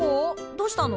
どうしたの？